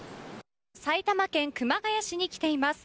埼玉県熊谷市に来ています。